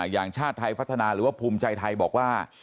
ชาติไทยพัฒนาหรือว่าภูมิใจไทยบอกว่า